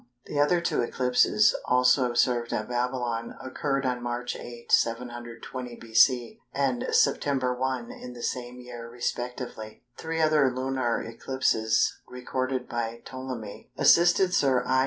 The other two eclipses, also observed at Babylon, occurred on March 8, 720 B.C., and September 1, in the same year, respectively. Three other lunar eclipses, recorded by Ptolemy, assisted Sir I.